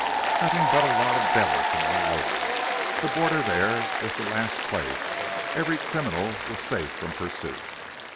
"Nothing but a lot of devils from all over. The border there was the last place. Every criminal was safe from pursuit."